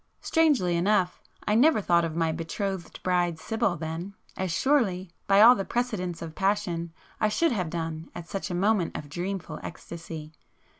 Strangely enough, I never thought of my betrothed bride Sibyl then, as surely, by all the precedents of passion, I should have done at such a moment of dreamful ecstasy.